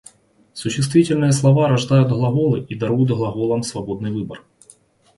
Существительные слова рождают глаголы и даруют глаголам свободный выбор.